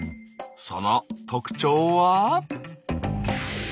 その特徴は。